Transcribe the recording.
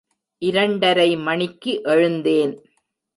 இரண்டரை மணிக்கு எழுந்தேன்.